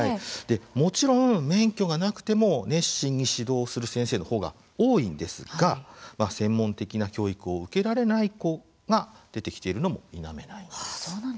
もちろん免許がなくても熱心に指導する先生のほうが多いんですが専門的な教育を受けられない子が出てきているのも否めないんです。